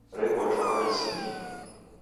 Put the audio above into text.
Reko chwaka risingie.